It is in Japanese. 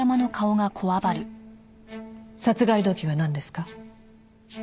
殺害動機はなんですか？